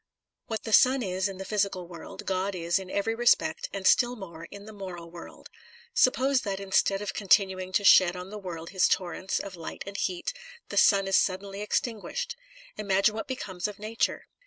What the sun is in the physical world, God is in every respect, and still more, in the moral world. Suppose that instead of con tinuing to shed on the world his torrents of light and heat, the sun is suddenly exJn guished; imagine what becomes of nature?